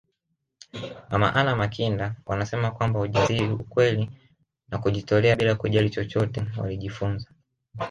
Mama Anna Makinda wanasema kwamba ujasiri ukweli na kujitolea bila kujali chochote walijifunza